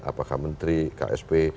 apakah menteri ksp